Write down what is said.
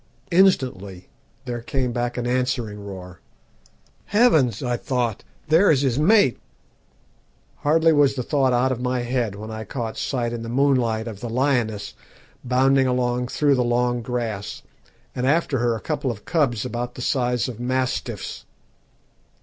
Instantly there came back an answering roar. "'Heavens!' I thought, 'there is his mate.' "Hardly was the thought out of my head when I caught sight in the moonlight of the lioness bounding along through the long grass, and after her a couple of cubs about the size of mastiffs.